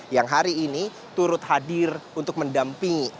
yang hari ini turut hadir untuk mendampingi